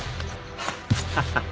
ハハハ。